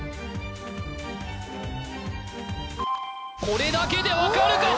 これだけで分かるか？